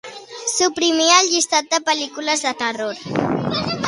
Suprimir el llistat de pel·lícules de terror.